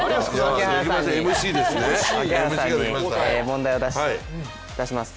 槙原さんに問題を出します。